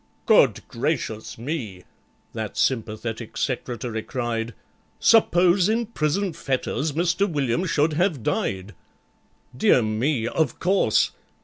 "Good Gracious Me!" that sympathetic Secretary cried, "Suppose in prison fetters MISTER WILLIAM should have died! Dear me, of course!